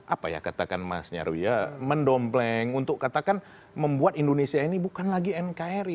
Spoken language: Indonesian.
apa ya katakan mas nyarwi ya mendompleng untuk katakan membuat indonesia ini bukan lagi nkri